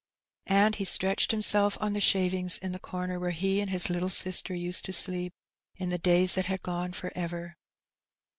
'' And he stretched himself on the shavings in the comer where he and his little sister used to sleep in the days that had gone for ever.